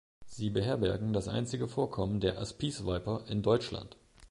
Sie beherbergen das einzige Vorkommen der Aspisviper in Deutschland.